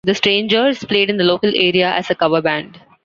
The Strangeurs played in the local area as a cover band.